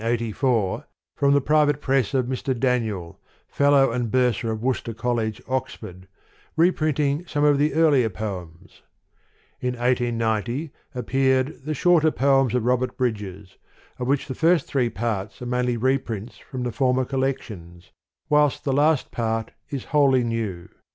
sued, in 1884, from the private press of Mr. Daniel, Fellow and Bursar of Worcester Col lege, Oxford, reprinting some of the earlier poems : in 1890 appeared The Shorter Poems of Robert Bridges, of which the first three parts are mainly reprints from the former collections, whilst the last part is wholly new.